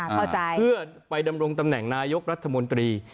เข้าใจเพื่อไปดำรงตำแหน่งนายกรัฐมนตรี